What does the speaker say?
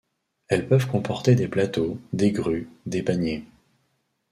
Elles peuvent comporter des plateaux, des grues, des paniers.